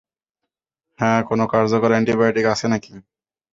হ্যাঁ কোনো কার্যকর এন্টিবায়োটিক আছে নাকি?